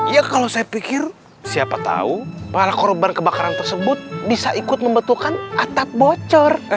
ya kalau saya pikir siapa tahu para korban kebakaran tersebut bisa ikut membetukan atap bocor